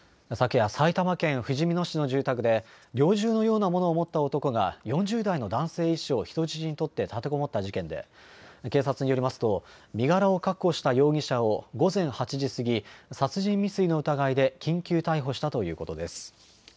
昨夜、埼玉県ふじみ野市の住宅で、猟銃のようなものを持った男が４０代の男性医師を人質に取って立てこもった事件で、警察によりますと、身柄を確保した容疑者を、午前８時過ぎ、殺人未遂の疑いで緊急逮捕したということです。